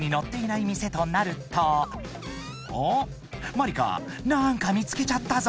まりか何か見つけちゃったぞ］